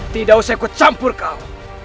tidak usah ikut campur kau